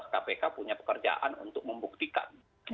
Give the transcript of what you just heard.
kpk punya pekerjaan untuk membuktikan